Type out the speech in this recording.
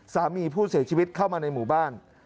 สามีผู้เสียชีวิตเข้ามาในหมู่บ้าน